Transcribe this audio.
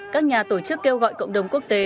các nhà tổ chức kêu gọi cộng đồng quốc tế